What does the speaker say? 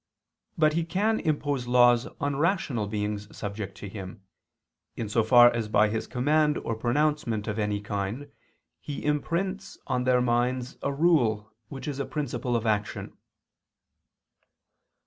But he can impose laws on rational beings subject to him, in so far as by his command or pronouncement of any kind, he imprints on their minds a rule which is a principle of action.